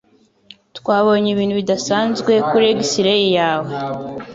Twabonye ibintu bidasanzwe kuri x-ray yawe.